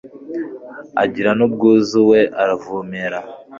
Agira nubwuzu we aravumera